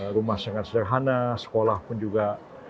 rumah sangat sederhana sekolah pun juga